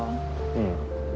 うん。